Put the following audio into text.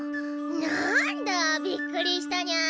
なんだびっくりしたニャ。